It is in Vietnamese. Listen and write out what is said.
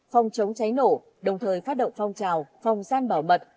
phòng chống cháy nổ đồng thời phát động phong trào phòng gian bảo mật